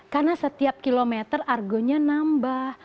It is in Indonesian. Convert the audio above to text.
karena setiap kilometer argonya nambah